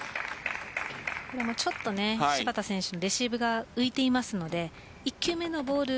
芝田選手のレシーブが浮いていますので１球目のボール